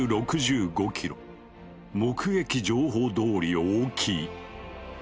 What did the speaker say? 目撃情報どおり大きい。